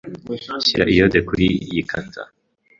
Shyira iyode kuriyi kata.